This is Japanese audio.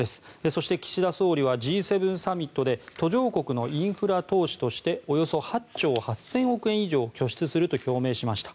そして、岸田総理はＧ７サミットで途上国のインフラ投資としておよそ８兆８０００億円以上を拠出すると発表しました。